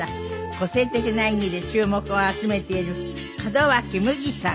個性的な演技で注目を集めている門脇麦さん